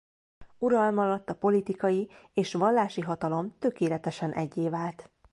Uralma alatt a politikai és vallási hatalom tökéletesen eggyé vált.